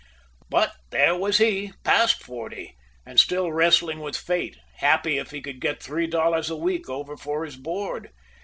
But there was he, past forty, and still wrestling with fate, happy if he could get three dollars a week over for his board.